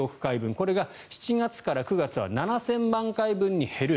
これが７月から９月は７０００万回分に減る。